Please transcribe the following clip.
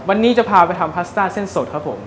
วันนี้จะพาไปทำพาสต้าเส้นสดครับผม